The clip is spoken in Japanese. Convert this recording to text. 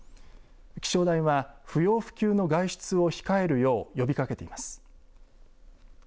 気象台は不要不急の外出を控えるよう呼びかけています。